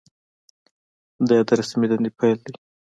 دا یې د رسمي دندې پیل دی.